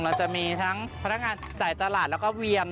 เราจะมีทั้งพนักงานจ่ายตลาดแล้วก็เวียม